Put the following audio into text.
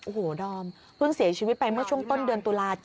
โอ้โหดอมเพิ่งเสียชีวิตไปเมื่อช่วงต้นเดือนตุลา